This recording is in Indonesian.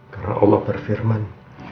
karena allah berfirman